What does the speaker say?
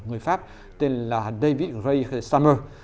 người pháp tên là david ray summer